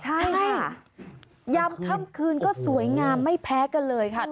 ใช่ค่ะย้ำคลั่งคืนก็สวยงามไม่แพ้กันเลยครับ